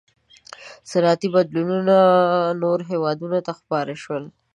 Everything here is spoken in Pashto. • صنعتي بدلونونه نورو هېوادونو ته خپاره شول.